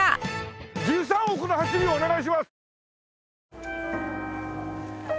１３億の走りをお願いします！